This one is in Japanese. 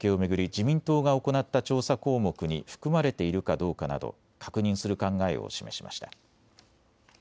自民党が行った調査項目に含まれているかどうかなど確認する考えを示しました。